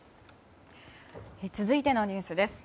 続いてのニュースです。